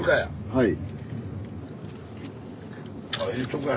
はい。